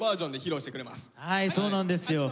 はいそうなんですよ。